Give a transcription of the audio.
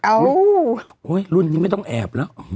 โอ้โหรุ่นนี้ไม่ต้องแอบแล้ว